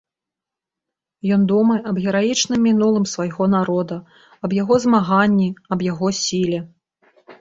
Ён думае аб гераічным мінулым свайго народа, аб яго змаганні, аб яго сіле.